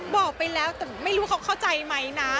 บอกไปแล้วแต่ไม่รู้เขาเข้าใจไหมนะ